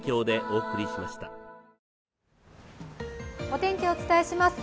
お天気をお伝えします。